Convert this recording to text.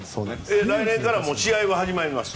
来年から試合は始まります。